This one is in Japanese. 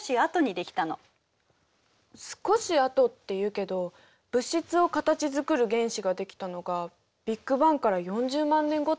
「少しあと」って言うけど物質を形づくる原子が出来たのがビッグバンから４０万年後って聞いたわ。